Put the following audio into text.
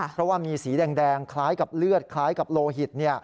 เพราะว่ามีสีแดงคล้ายกับเลือดคล้ายกับโลหิต